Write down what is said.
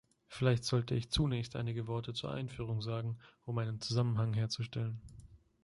Vielleicht sollte ich zunächst einige Worte zur Einführung sagen, um einen Zusammenhang herzustellen.